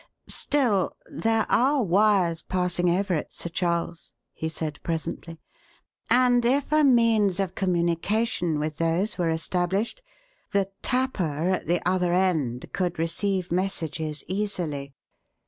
"Still, there are wires passing over it, Sir Charles," he said presently; "and if a means of communication with those were established, the 'tapper' at the other end could receive messages easily.